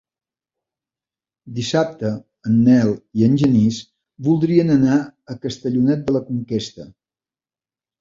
Dissabte en Nel i en Genís voldrien anar a Castellonet de la Conquesta.